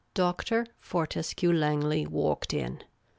Dr. Fortescue Langley walked in.